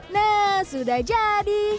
nah sudah jadi